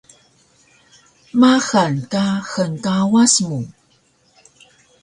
Maxal ka hngkawas mu